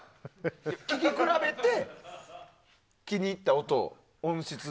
聴き比べて気に入った音質を。